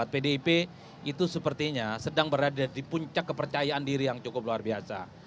pdip itu sepertinya sedang berada di puncak kepercayaan diri yang cukup luar biasa